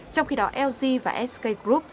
trong khi đó lg và sk group